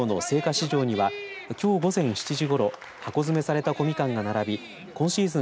市場にはきょう午前７時ごろ箱詰めされた小みかんが並び今シーズン